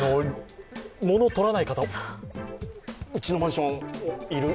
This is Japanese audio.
物を取らない方、うちのマンション、多い。